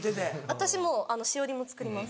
私もしおりも作ります。